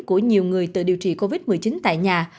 của nhiều người tự điều trị covid một mươi chín tại nhà